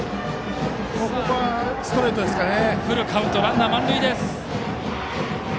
ここはストレートですかね。